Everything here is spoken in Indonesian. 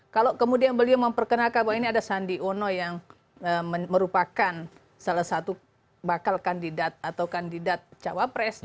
kalau kemudian beliau memperkenalkan bahwa ini ada sandi uno yang merupakan salah satu bakal kandidat atau kandidat cawapres